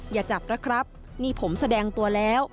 อย่าจับนะครับนี่ผมแสดงตัวแล้ว